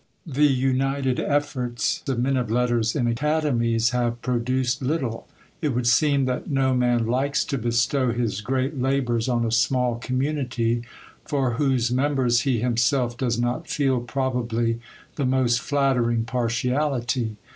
The united efforts of men of letters in Academies have produced little. It would seem that no man likes to bestow his great labours on a small community, for whose members he himself does not feel, probably, the most flattering partiality.